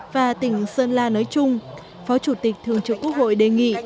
và tỉnh sơn la nói chung phó chủ tịch thường trực quốc hội đề nghị